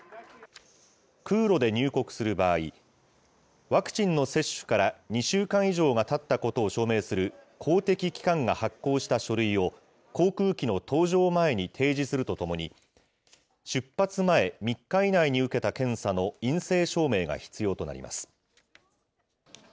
空路で入国する場合、ワクチンの接種から２週間以上がたったことを証明する公的機関が発行した書類を航空機の搭乗前に提示するとともに、出発前３日以内に受けた検査の陰性証明が必要となります。